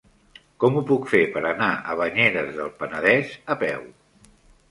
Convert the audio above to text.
Com ho puc fer per anar a Banyeres del Penedès a peu?